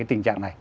cái tình trạng này